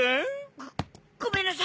ごごめんなさい！